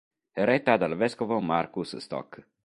È retta dal vescovo Marcus Stock.